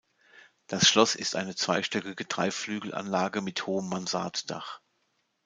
Das Schloss ist eine zweistöckige Dreiflügelanlage mit hohem Mansarddach.